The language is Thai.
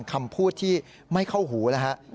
คำพูดที่ไม่เข้าหูแล้วฮะ